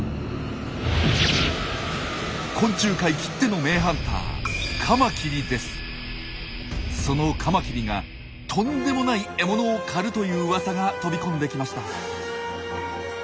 昆虫界きっての名ハンターそのカマキリがとんでもない獲物を狩るといううわさが飛び込んできました。